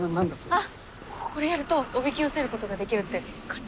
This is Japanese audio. あっこれやるとおびき寄せることができるって課長が。